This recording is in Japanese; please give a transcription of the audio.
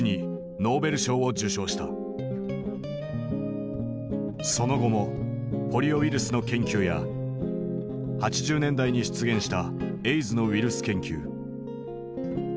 後にその後もポリオウイルスの研究や８０年代に出現したエイズのウイルス研究。